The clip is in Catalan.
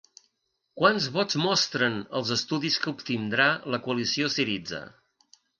Quants vots mostren els estudis que obtindrà la coalició Syriza?